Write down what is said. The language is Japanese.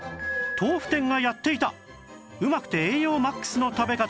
豆腐店がやっていたうまくて栄養 ＭＡＸ の食べ方